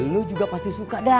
lu juga pasti suka deh